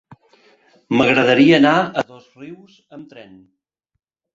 M'agradaria anar a Dosrius amb tren.